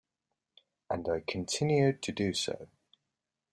And I continued to do so.